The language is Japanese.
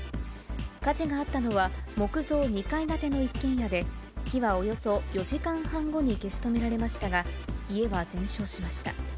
火事があったのは、木造２階建ての一軒家で、火はおよそ４時間半後に消し止められましたが、家は全焼しました。